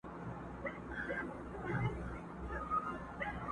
مور د لور خواته ګوري خو مرسته نه سي کولای